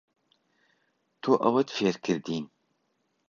تۆ ئەوەت فێر کردین.